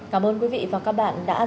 cảm ơn quý vị và các bạn đã dành thời gian